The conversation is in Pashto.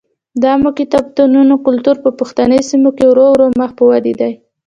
د عامه کتابتونونو کلتور په پښتني سیمو کې ورو ورو مخ په ودې دی.